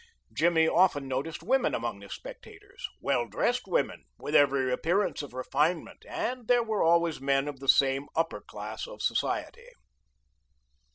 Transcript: Jimmy often noticed women among the spectators well dressed women, with every appearance of refinement, and there were always men of the same upper class of society.